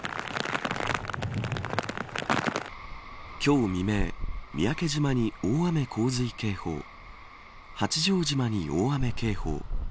今日未明宮古島に大雨洪水警報八丈島に大雨警報